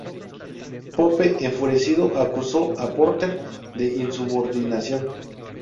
Pope, enfurecido, acusó a Porter de insubordinación.